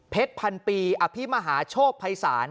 พันปีอภิมหาโชคภัยศาล